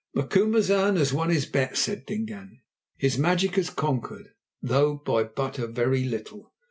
"Macumazahn has won his bet," said Dingaan. "His magic has conquered, though by but a very little.